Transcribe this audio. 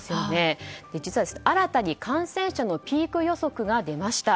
実は新たに感染者のピーク予測が出ました。